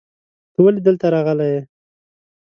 ته ولې دلته راغلی یې؟